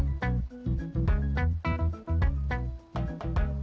namanya gimana ini sih